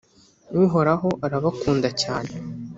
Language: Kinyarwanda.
Uhoraho arabakunda cyane